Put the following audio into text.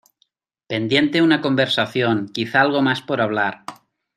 Pendiente una conversación, quizá algo más por hablar.